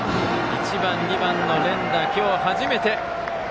１番、２番の連打は今日初めて。